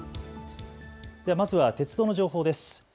では、まずは鉄道の情報です。